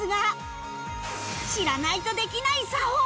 知らないとできない作法